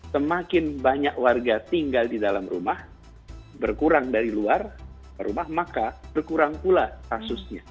semakin banyak warga tinggal di dalam rumah berkurang dari luar rumah maka berkurang pula kasusnya